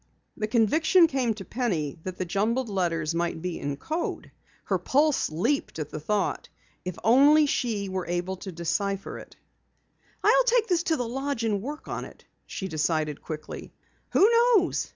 The conviction came to Penny that the jumbled letters might be in code. Her pulse leaped at the thought. If only she were able to decipher it! "I'll take this to the lodge and work on it," she decided quickly. "Who knows?